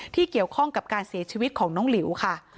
ที่เกี่ยวข้องกับการเสียชีวิตของน้องหลิวค่ะ